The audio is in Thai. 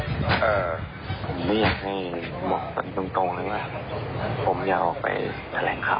ผมไม่อยากให้หม่อตันตรงเลยผมอยากเอาไปแสลงข่าว